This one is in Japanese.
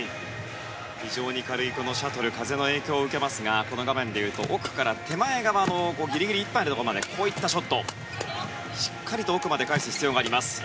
非常に軽いシャトル風の影響を受けますがこの画面で言うと奥から手前側のギリギリいっぱいのところまでのショットをしっかりと奥まで返す必要があります。